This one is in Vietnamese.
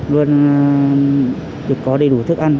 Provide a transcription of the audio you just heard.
luôn được có đầy đủ thức ăn